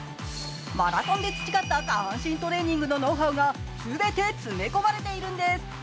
マラソンで培った下半身トレーニングのノウハウが全て詰め込まれているんです。